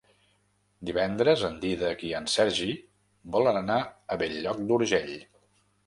Divendres en Dídac i en Sergi volen anar a Bell-lloc d'Urgell.